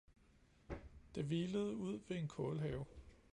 Den hvilede ud ved en kålhave